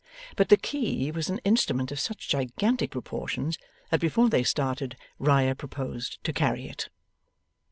But the key was an instrument of such gigantic proportions, that before they started Riah proposed to carry it.